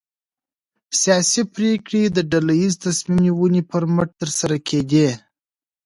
سیاسي پرېکړې د ډله ییزې تصمیم نیونې پر مټ ترسره کېدې.